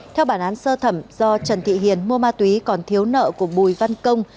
theo bản án sơ thẩm do trần thị hiền mua ma túy còn thiếu nợ của bùi văn công